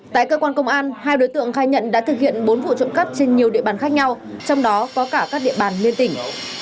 tại cơ quan công an hai đối tượng khai nhận đã thực hiện bốn vụ trộm cắp trên nhiều địa bàn khác nhau trong đó có cả các địa bàn liên tỉnh